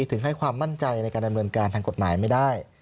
ถึงให้ความมั่นใจในการดำเนินการทางกฎหมายไม่ได้